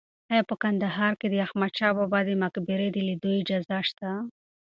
ایا په کندهار کې د احمد شاه بابا د مقبرې د لیدو اجازه شته؟